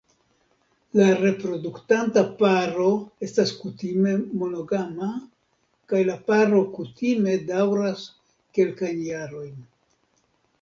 La reproduktanta paro estas kutime monogama, kaj la paro kutime daŭras kelkajn jarojn.